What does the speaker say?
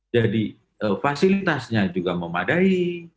jadi fasilitasnya juga memadai